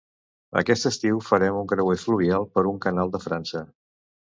Aquest estiu farem un creuer fluvial per un canal de França